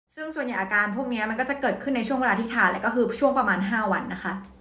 ซึ่งส่วนใหญ่อาการพวกนี้มันก็จะเกิดขึ้นในช่วงเวลาที่ทานแล้วก็คือช่วงประมาณ๕วันนะคะ